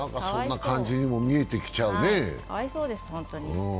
そんな感じにも見えてきちゃうよね。